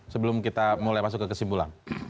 sebelum kita mulai masuk ke kesimpulan